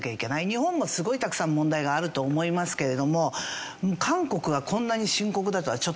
日本もすごいたくさん問題があると思いますけれども韓国がこんなに深刻だとはちょっと驚きました。